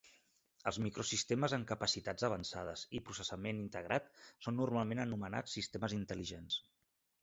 Els microsistemes amb capacitats avançades i processament integrat són normalment anomenats sistemes intel·ligents.